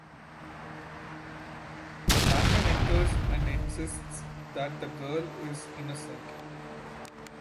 Langdon enters and insists that the girl is innocent.